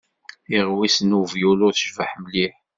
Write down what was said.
Tiɣwist n wevyulu tecbeḥ mliḥ.